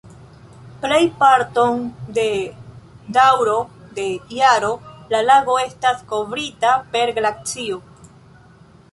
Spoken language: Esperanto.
Plejparton de daŭro de jaro la lago estas kovrita per glacio.